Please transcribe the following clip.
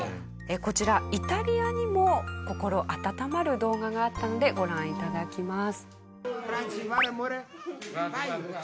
こちらイタリアにも心温まる動画があったのでご覧頂きます。